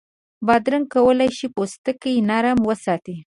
بادرنګ کولای شي پوستکی نرم وساتي.